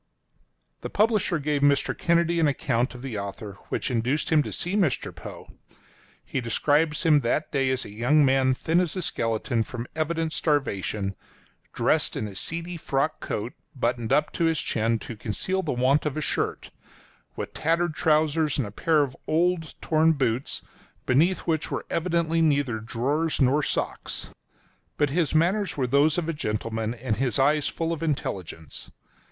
The publisher gave Mr. Kennedy an account of the author, which induced him to see Mr. Poe. He describes him at that day as a young man thin as a skeleton from evident starvation, dressed in a seedy frock coat, buttoned up to his chin to conceal the want of a shirt, with tattered trousers, and a pair of torn old boots, beneath which were evidently neither drawers nor socks. But his manners were those of a gentleman, and his eyes full of intelligence.